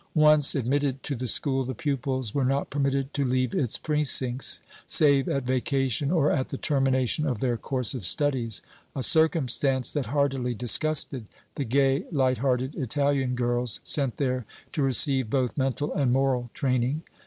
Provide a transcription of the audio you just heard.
Once admitted to the school, the pupils were not permitted to leave its precincts save at vacation or at the termination of their course of studies, a circumstance that heartily disgusted the gay, light hearted Italian girls sent there to receive both mental and moral training.